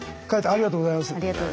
ありがとうございます。